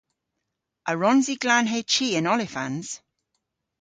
A wrons i glanhe chi an olifans?